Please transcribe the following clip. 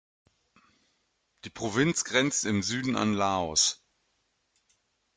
Die Provinz grenzt im Süden an Laos.